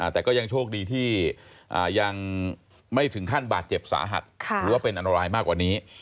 แต่ก็ยังโชคดีที่ยังไม่ถึงขั้นบาดเจ็บสาหัสหรือว่าเป็นอันตรายมากกว่านี้